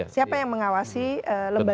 siapa yang mengawasi lembaga